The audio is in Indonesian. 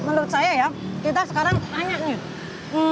menurut saya ya kita sekarang tanya nih